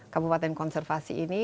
kabupaten konservasi ini